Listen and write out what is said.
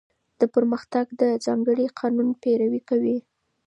دا پرمختګ د ځانګړي قانون پیروي کوي.